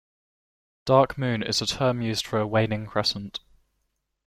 Dark Moon is a term used for a waning crescent.